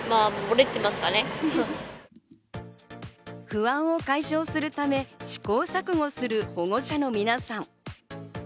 不安を解消するため、試行錯誤する保護者の皆さん。